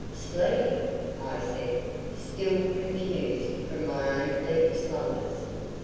"Sleeping!" I said, still confused from my own deep slumbers.